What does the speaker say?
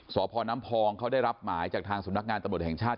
สพน้ำพองเขาได้รับหมายจากทางสำนักงานตำรวจแห่งชาติ